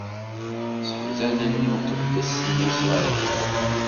Sseḥzanen imqeddes n Isṛayil.